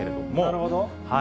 なるほど。